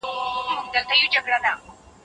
که دولت وغواړي سازمانونه تنظیمولای سي.